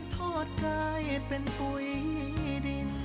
ทอดกายเป็นปุ่ยดิ้น